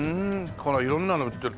ほら色んなの売ってる。